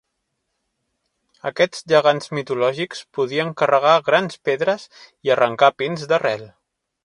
Aquests gegants mitològics podien carregar grans pedres i arrancar pins d'arrel.